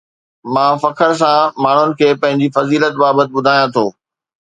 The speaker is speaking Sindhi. مان فخر سان ماڻهن کي پنهنجي فضيلت بابت ٻڌايان ٿو